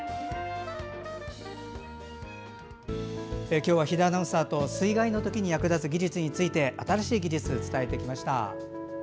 今日は比田アナウンサーと水害のときに役立つ技術について新しい技術を伝えてきました。